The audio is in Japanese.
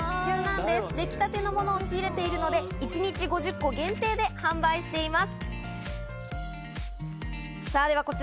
できたてのものを仕入れているので一日５０個限定で販売しています。